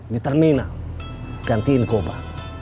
di terminal gantiin goba